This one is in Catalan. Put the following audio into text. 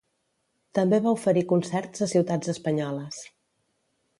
També va oferir concerts a ciutats espanyoles.